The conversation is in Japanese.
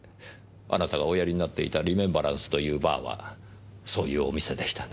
あなたがおやりになっていた「リメンバランス」というバーはそういうお店でしたね。